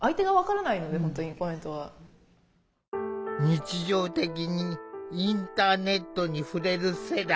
日常的にインターネットに触れる世代。